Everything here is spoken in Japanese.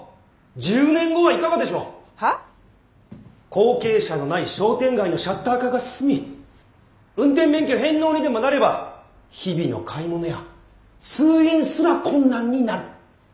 後継者のない商店街のシャッター化が進み運転免許返納にでもなれば日々の買い物や通院すら困難になる。